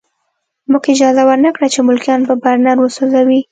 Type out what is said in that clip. موږ اجازه ورنه کړه چې ملکیان په برنر وسوځوي